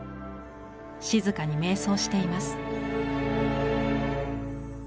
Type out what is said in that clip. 静かにめい想しています。